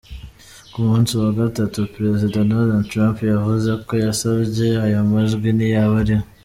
Ku musi wa gatatu, prezida Donald Trump yavuze ko yasavye ayo majwi "niyaba ariho".